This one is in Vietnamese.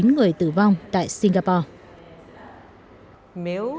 một mươi chín người tử vong tại singapore